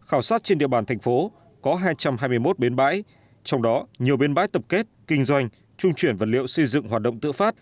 khảo sát trên địa bàn tp có hai trăm hai mươi một biến bãi trong đó nhiều biến bãi tập kết kinh doanh trung chuyển vật liệu xây dựng hoạt động tự phát